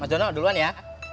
mas jono duluan ya